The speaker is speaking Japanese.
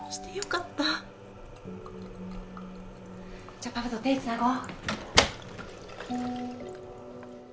じゃパパと手つなごう。